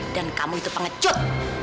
dan kamu itu pengecut